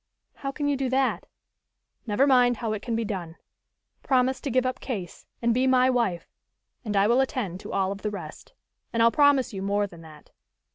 "How can you do that?" "Never mind how it can be done. Promise to give up Case, and be my wife, and I will attend to all of the rest. And I'll promise you more than that.